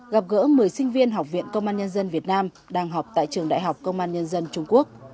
gặp gỡ một mươi sinh viên học viện công an nhân dân việt nam đang học tại trường đại học công an nhân dân trung quốc